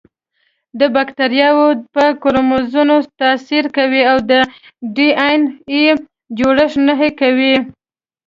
د باکتریاوو په کروموزومونو تاثیر کوي او د ډي این اې جوړښت نهي کوي.